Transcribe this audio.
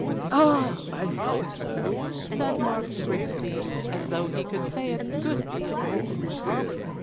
"Ah! I thought so!" said Mark Grigsby, as though he could say a good deal more.